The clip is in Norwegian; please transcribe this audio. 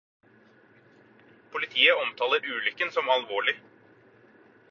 Politiet omtaler ulykken som alvorlig.